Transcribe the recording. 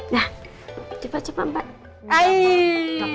nah cepat cepat mbak